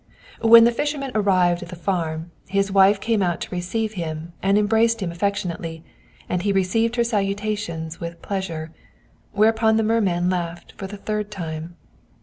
When the fisherman arrived at the farm, his wife came out to receive him, and embraced him affectionately, and he received her salutations with pleasure; whereupon the merman laughed for the third time.